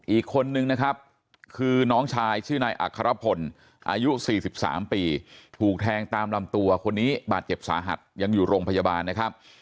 อีกคนนึงนะครับคือน้องชายชื่อนายอัครพลอายุ๔๓ปีถูกแทงตามลำตัวคนนี้บาดเจ็บสาหัสยังอยู่โรงพยาบาลนะครับ